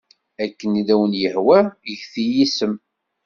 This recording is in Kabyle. Akken i wen-yehwa get-iyi isem.